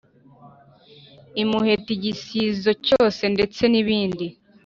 imuheta igisizo cyose ndetse nibindi